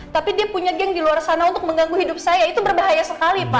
tapi dia punya geng di luar sana untuk mengganggu hidup saya itu berbahaya sekali pak